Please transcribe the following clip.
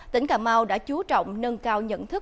tỉnh cà mau đã chú trọng nâng cao nhận thức